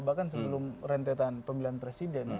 bahkan sebelum rentetan pemilihan presiden